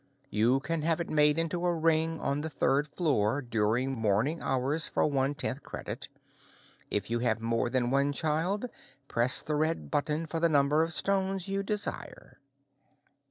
You can have it made into a ring on the third floor during morning hours for one tenth credit. If you have more than one child, press the red button for the number of stones you desire."